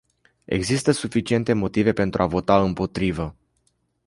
Există suficiente motive pentru a vota împotrivă.